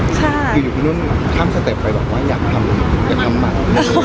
อยู่ที่พี่โน้นข้ามสเต็ปไปบอกว่าอยากทำหรืออยากทำหมัน